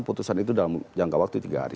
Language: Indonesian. putusan itu dalam jangka waktu tiga hari